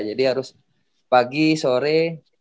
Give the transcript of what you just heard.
jadi harus pagi sore